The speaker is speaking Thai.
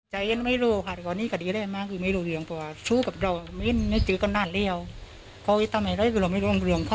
แล้วมันตื่นไม่ตกใจแยก